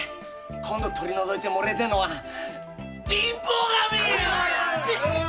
今度取り除いてもらいてえのは貧乏神っ‼